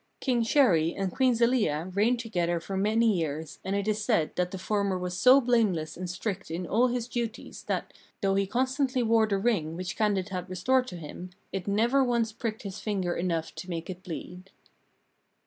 King Chéri and Queen Zelia reigned together for many years, and it is said that the former was so blameless and strict in all his duties that, though he constantly wore the ring which Candide had restored to him, it never once pricked his finger enough to make it bleed.